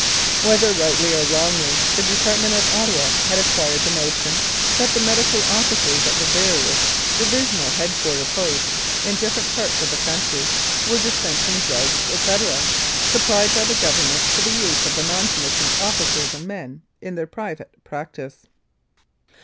Whether rightly or wrongly, the department at Ottawa had acquired the notion that the medical officers 10 1883 84. Regina at the various Divisional Head quarter Posts in different parts of the country were dispensing drugs, &c., sup plied by the Government for the use of the non commissioned officers and men, in their private practice.